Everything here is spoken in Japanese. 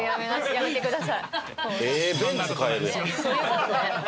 やめてください。